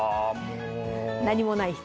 何もない人。